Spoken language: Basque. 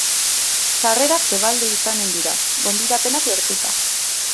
Sarrerak debalde izanen dira, gonbidapenak lortuta.